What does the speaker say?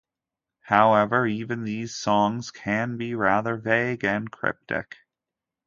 However, even these songs can be rather vague and cryptic.